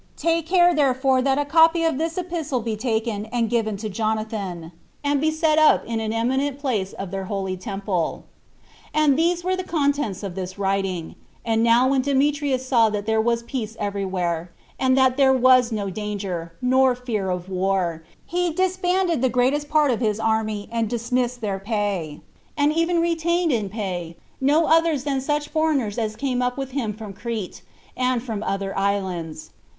Take care therefore that a copy of this epistle be taken, and given to Jonathan, and be set up in an eminent place of their holy temple.'" And these were the contents of this writing. And now when Demetrius saw that there was peace every where, and that there was no danger, nor fear of war, he disbanded the greatest part of his army, and diminished their pay, and even retained in pay no others than such foreigners as came up with him from Crete, and from the other islands.